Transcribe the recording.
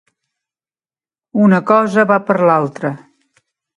Una cosa va per l'altra.